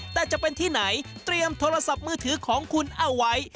แต่จะเป็นที่ไหนเตรียมโทรศัพท์มือถือของคุณเอาไว้